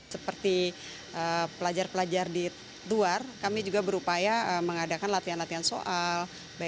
seperti pelajar pelajar di luar kami juga berupaya mengadakan latihan latihan soal